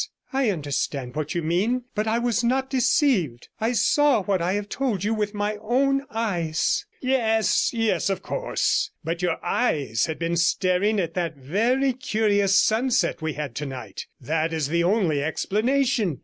'I understand what you mean; but I was not deceived. I saw what I have told you with my own eyes.' 110 'Yes, yes of course. But your eyes had been staring at that very curious sunset we had tonight. That is the only explanation.